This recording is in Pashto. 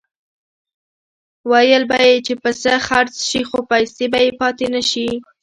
ویل به یې چې پسه خرڅ شي خو پیسې به یې پاتې شي.